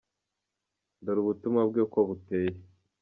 Dore ubutumwa bwe uko buteye:.